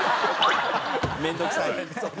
面倒くさい。